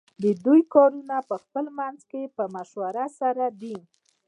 ددوی کارونه پخپل منځ کی په مشوره سره دی .